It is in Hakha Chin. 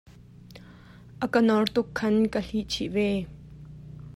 A ka nawr tuk khan ka hlih chih ve.